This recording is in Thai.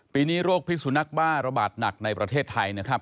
ปีนี้โรคพิษสุนักบ้าระบาดหนักในประเทศไทยนะครับ